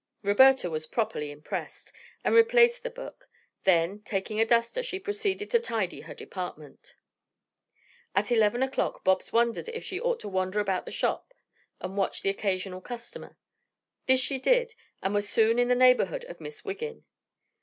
Roberta was properly impressed, and replaced the book; then, taking a duster, she proceeded to tidy her department. At eleven o'clock Bobs wondered if she ought to wander about the shop and watch the occasional customer. This she did, and was soon in the neighborhood of Miss Wiggin.